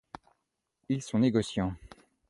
Ils sont négociants.